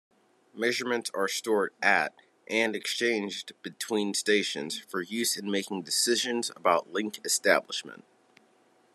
Measurements are stored at-and exchanged between-stations, for use in making decisions about link establishment.